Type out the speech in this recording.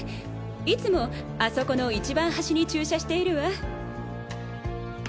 いつもあそこの一番端に駐車しているわ。